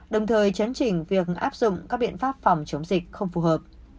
đồng thời chấn chỉnh việc áp dụng các biện pháp phòng chống dịch không phù hợp